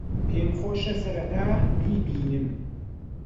پێم خۆشە سەرەتا بیبینم.